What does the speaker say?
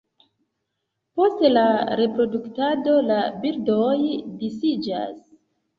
Post la reproduktado la birdoj disiĝas.